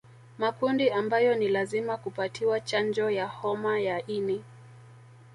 Makundi ambayo ni lazima kupatiwa chanjo ya homa ya ini